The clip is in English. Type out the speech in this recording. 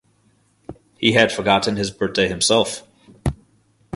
He had forgotten his birthday himself.